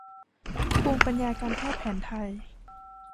ภูมิปัญญาการแพทย์แผนไทย